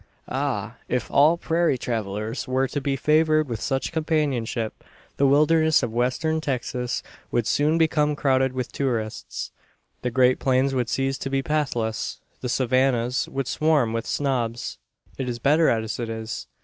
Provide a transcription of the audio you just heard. Ah! if all prairie travellers were to be favoured with such companionship, the wilderness of Western Texas would soon become crowded with tourists; the great plains would cease to be "pathless," the savannas would swarm with snobs. It is better as it is.